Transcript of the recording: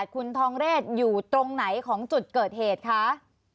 คุณทองเรศอยู่ตรงไหนของจุดเกิดเหตุคะ